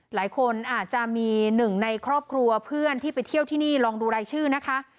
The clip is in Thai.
หลายคนอาจจะมีหนึ่งในครอบครัวเพื่อนที่ไปเที่ยวที่นี่ลองดูรายชื่อนะคะ